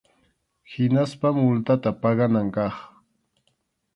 Hinaspa multata paganan kaq.